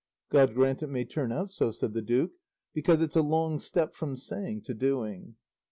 "God grant it may turn out so," said the duke; "because it's a long step from saying to doing."